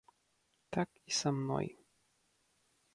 Так і са мной.